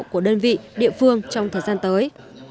của đơn vị địa phương trong thời gian tới